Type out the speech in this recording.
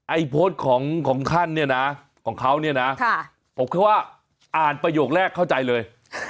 โพสต์ของท่านเนี่ยนะของเขาเนี่ยนะผมแค่ว่าอ่านประโยคแรกเข้าใจเลย